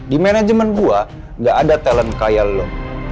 di manajemen gue gak ada talent kaya lo